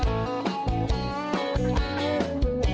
มีมีมีมีมี